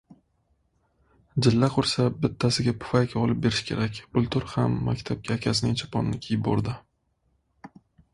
Jilla qursa, bittasiga pufayka olib berish kerak. Bultur ham maktabga akasining choponini kiyib bordi.